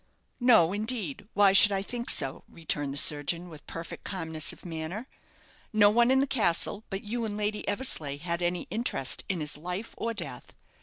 "No, indeed. Why should I think so?" returned the surgeon, with perfect calmness of manner. "No one in the castle, but you and Lady Eversleigh, had any interest in his life or death.